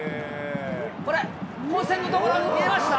これ、混戦のところ、見えました？